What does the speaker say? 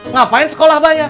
ngapain sekolah banyak